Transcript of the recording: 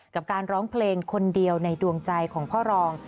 กับการร้องเพลงคนเดียวในดวงใจของพ่อรอง